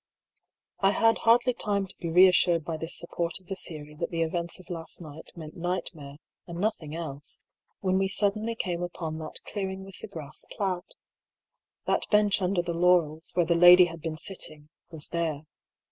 I had hardly time to be reassured by this support of the theory that the events of last night meant night mare and nothing else, when we suddenly came upon EXTRACT FROM DIARY OF HUGH PAULL. 63 that clearing with the grass plat. That bench under the laurels, where the lady had been sitting, was there.